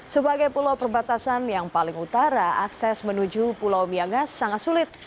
sebagai pulau perbatasan yang paling utara akses menuju pulau miangas sangat sulit